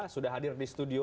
sudah hadir di studio